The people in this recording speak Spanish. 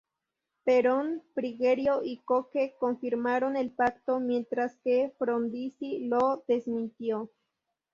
Perón, Frigerio, y Cooke confirmaron el Pacto, mientras que Frondizi lo desmintió.